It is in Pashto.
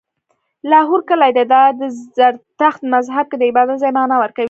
لاهور کلی دی، دا د زرتښت مذهب کې د عبادت ځای معنا ورکوي